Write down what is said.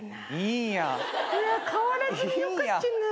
いや変わらずに良かったな。